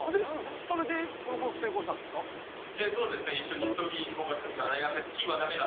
それでプロポーズ成功したんですか？